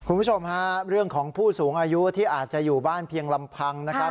คุณผู้ชมฮะเรื่องของผู้สูงอายุที่อาจจะอยู่บ้านเพียงลำพังนะครับ